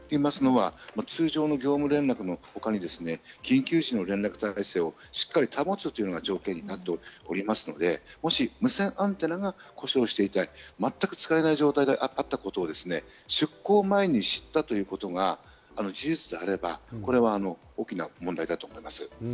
通常の業務連絡のほかに緊急時の連絡をしっかり保つというのが条件になっておりますので、もし無線アンテナが故障していたり、全く使えない状態であったということを出航前に知ったということが事実であれば、これは大きな問題だと思います。